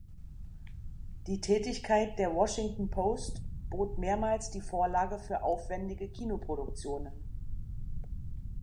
Die Tätigkeit der Washington Post bot mehrmals die Vorlage für aufwändige Kinoproduktionen.